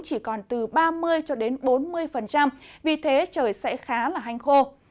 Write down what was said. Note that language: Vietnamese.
chỉ còn từ ba mươi bốn mươi vì thế trời sẽ khá là hanh khô